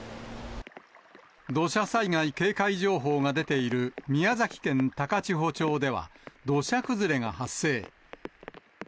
土砂災害警戒情報が出ている宮崎県高千穂町では、土砂崩れが発生。